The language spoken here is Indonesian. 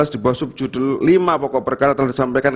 di bawah subjudul lima pokok perkara telah disampaikan